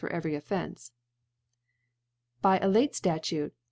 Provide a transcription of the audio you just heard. for * every Offence j. 3. By a^ late Statute.